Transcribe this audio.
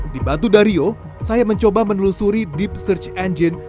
di bantu dario saya mencoba menelusuri deep search engine